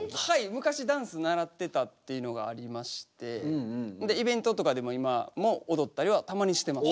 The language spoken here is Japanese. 昔ダンス習ってたっていうのがありましてイベントとかでも今もおどったりはたまにしてます。